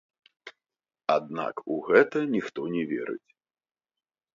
Аднак у гэта ніхто не верыць.